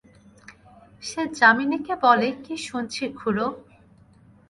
সে যামিনীকে বলে, কী শুনছি খুড়ো?